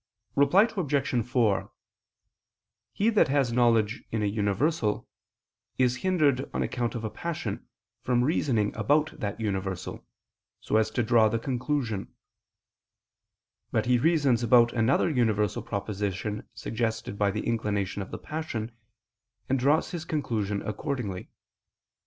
Reply Obj. 4: He that has knowledge in a universal, is hindered, on account of a passion, from reasoning about that universal, so as to draw the conclusion: but he reasons about another universal proposition suggested by the inclination of the passion, and draws his conclusion accordingly.